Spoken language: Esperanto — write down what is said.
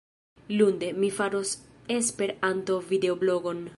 Lunde, mi faros Esperanto-videoblogon.